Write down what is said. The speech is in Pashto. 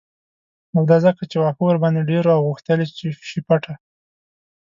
او دا ځکه چې واښه ورباندې ډیر و او غوښتل یې چې شي پټه